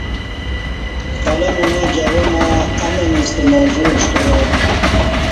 قلم اݣہ جوانہ امن ستہ موضوع سترا